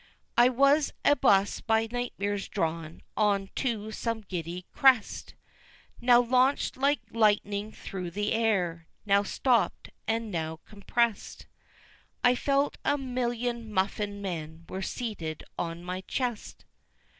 I was a 'bus by nightmares drawn on to some giddy crest, Now launched like lightning through the air, now stop'd and now compressed; I felt a million muffin men were seated on my chest!